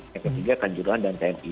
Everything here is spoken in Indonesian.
yang ketiga kan juruhan dan tni